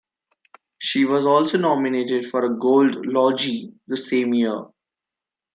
She was also nominated for a Gold Logie the same year.